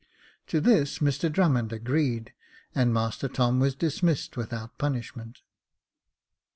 To this Mr Drnmmond agreed, and Master Tom was dismissed without punishment.